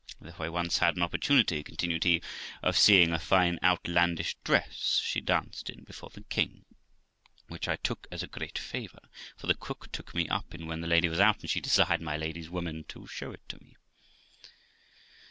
Though I once had an oppor tunity', continued he, 'of seeing a fine outlandish dress she danced in before the king, which I took as a great favour, for the cook took me up when the lady was out, and she desired my lady's woman to show it to me.'